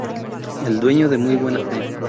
el dueño, de muy buena fe